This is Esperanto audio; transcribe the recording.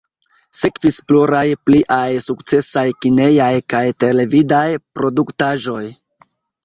Sekvis pluraj pliaj sukcesaj kinejaj kaj televidaj produktaĵoj.